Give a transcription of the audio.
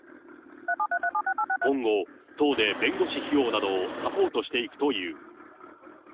今後、党で弁護士費用などをサポートしていくという。